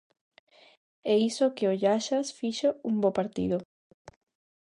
E iso que o Xallas fixo un bo partido.